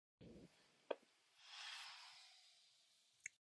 은근히 후일을 기약하자는 뜻을 보인다.